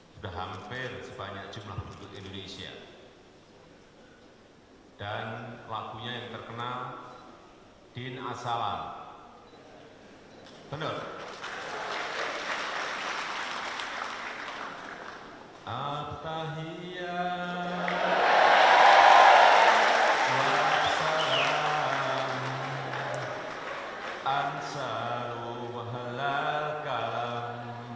sudah hampir sebanyak jumlah untuk indonesia dan lagunya yang terkenal din asalam